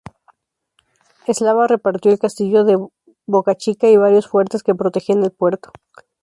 Eslava reparó el Castillo de Bocachica y varios fuertes que protegían el puerto.